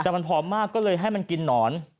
แต่มันผอมมากก็เลยให้มันกินหนอน